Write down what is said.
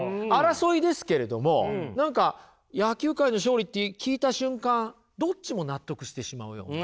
争いですけれども何か野球界の勝利って聞いた瞬間どっちも納得してしまうような。